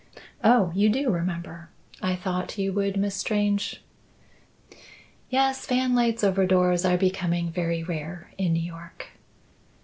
"Oh, you do remember! I thought you would, Miss Strange." "Yes. Fanlights over doors are becoming very rare in New York."